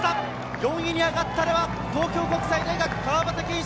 ４位に上がったの東京国際大学・川端拳史。